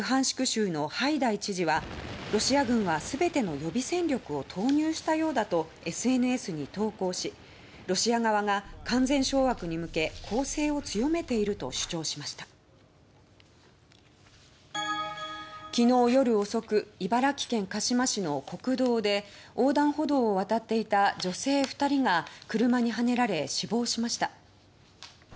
州のハイダイ知事は「ロシア軍は全ての予備戦力を投入したようだ」とＳＮＳに投稿しロシア側が完全掌握に向け昨日夜遅く茨城県鹿嶋市の国道で横断歩道を渡っていた女性２人が車にはねられ死亡しました。